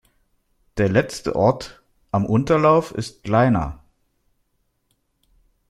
Der letzte Ort am Unterlauf ist Gleina.